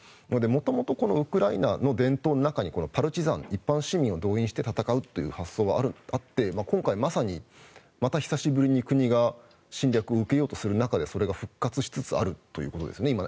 元々ウクライナの伝統の中にパルチザン、一般市民を動員して戦うという発想はあって今回、また久しぶりに国が侵略を受けようとする中でそれが復活しつつあるということですね。